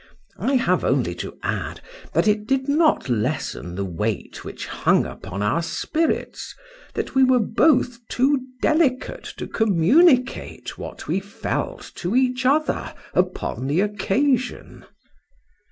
—I have only to add, that it did not lessen the weight which hung upon our spirits, that we were both too delicate to communicate what we felt to each other upon the occasion.